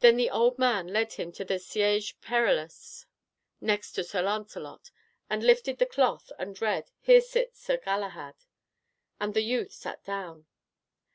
Then the old man led him to the "Siege Perilous," next to Sir Lancelot, and lifted the cloth and read, "Here sits Sir Galahad," and the youth sat down.